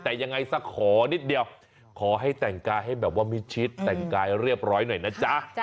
แต่ยังไงซะขอนิดเดียวขอให้แต่งกายให้แบบว่ามิดชิดแต่งกายเรียบร้อยหน่อยนะจ๊ะ